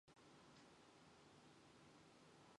Тиймээс жаахан тодруулах нь зүйтэй гэж бодов.